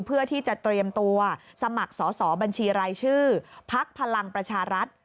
เพื่อที่จะเตรียมตัวสมัครสอสอบัญชีรายชื่อพักพลังประชารัฐ